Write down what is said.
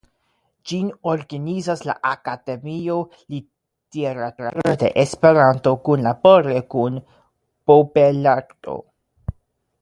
Ĝin organizas la Akademio Literatura de Esperanto kunlabore kun Bobelarto.